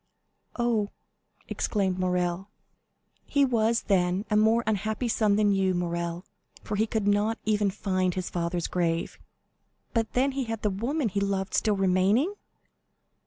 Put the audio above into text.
'" "Oh!" exclaimed Morrel. "He was, then, a more unhappy son than you, Morrel, for he could not even find his father's grave." "But then he had the woman he loved still remaining?"